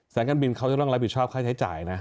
การบินเขาจะต้องรับผิดชอบค่าใช้จ่ายนะ